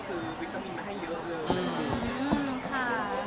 อืมอืมอืมค่ะ